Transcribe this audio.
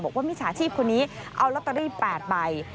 บอกว่ามิชาชีพคนนี้เอาร็อตเตอรี่๘ใบ